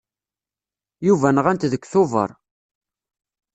Yuba nɣan-t deg Tubeṛ.